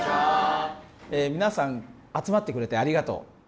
皆さん集まってくれてありがとう。